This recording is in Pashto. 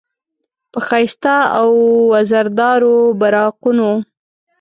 په ښایسته او وزردارو براقونو،